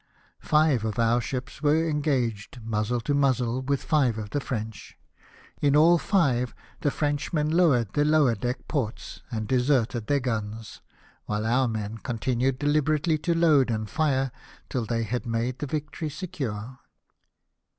Five of our ships were engaged muzzle to uiuzzle with five of the French. In all five the Frenchmen lowered their lower deck ports, and deserted their guns ; while our men continued deUberately to load and fire till they had made the victory secure.